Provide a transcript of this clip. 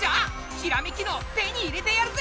ひらめき脳手に入れてやるぜ！